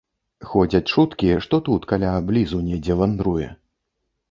Ходзяць чуткі, што тут каля блізу недзе вандруе.